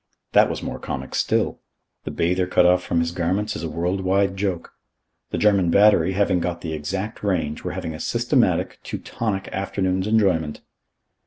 That was more comic still. The bather cut off from his garments is a world wide joke. The German battery, having got the exact range, were having a systematic, Teutonic afternoon's enjoyment.